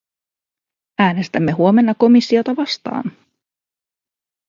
Äänestämme huomenna komissiota vastaan.